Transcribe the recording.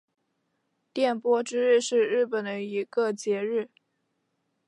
电波之日是日本的一个节日。